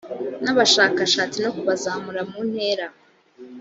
n abashakashatsi no kubazamura mu ntera